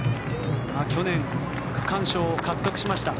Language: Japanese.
去年、区間賞を獲得しました。